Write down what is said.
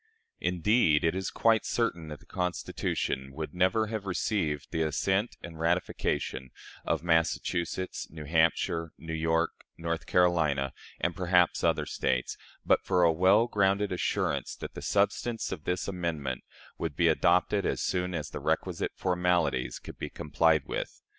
Indeed, it is quite certain that the Constitution would never have received the assent and ratification of Massachusetts, New Hampshire, New York, North Carolina, and perhaps other States, but for a well grounded assurance that the substance of this amendment would be adopted as soon as the requisite formalities could be complied with.